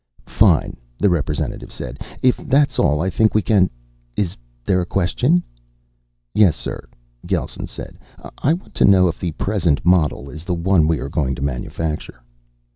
"Fine," the representative said. "If that is all, I think we can is there a question?" "Yes, sir," Gelsen said. "I want to know if the present model is the one we are going to manufacture."